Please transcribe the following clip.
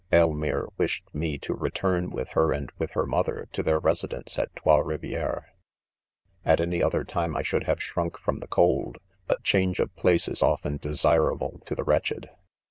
.Elmire wished me to return, 'with her and with her mother, to their residence at Trots Rivieres. '• 6 At any other time I should have 'shrunk from the cold ; but change of place is often de sirable to the wretched.